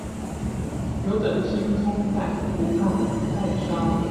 留著青蔥在，不怕沒菜燒